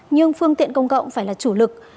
nhưng phương tiện công cộng phải là chủ lực